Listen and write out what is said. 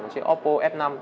chiếc oppo f năm